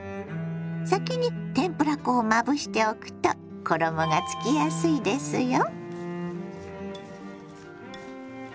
先に天ぷら粉をまぶしておくと衣がつきやすいですよ。